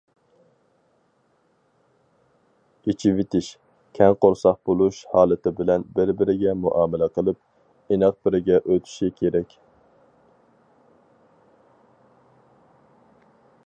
ئېچىۋېتىش، كەڭ قورساق بولۇش ھالىتى بىلەن بىر- بىرىگە مۇئامىلە قىلىپ، ئىناق بىرگە ئۆتۈشى كېرەك.